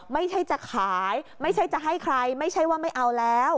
ไม่ใช่จะขายไม่ใช่จะให้ใครไม่ใช่ว่าไม่เอาแล้ว